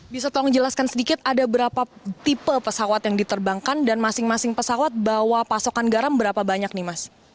bisa tolong jelaskan sedikit ada berapa tipe pesawat yang diterbangkan dan masing masing pesawat bawa pasokan garam berapa banyak nih mas